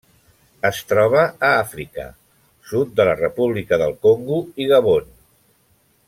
Es troba a Àfrica: sud de la República del Congo i Gabon.